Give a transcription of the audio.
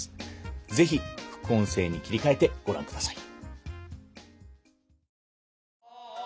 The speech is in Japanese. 是非副音声に切り替えてご覧ください。